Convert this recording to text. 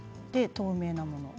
透明なもの。